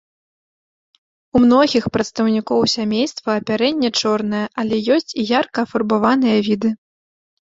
У многіх прадстаўнікоў сямейства апярэнне чорнае, але ёсць і ярка афарбаваныя віды.